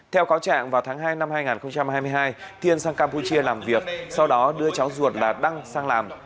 theo cáo trạng vào tháng hai năm hai nghìn hai mươi hai thiên sang campuchia làm việc sau đó đưa cháu ruột là đăng sang làm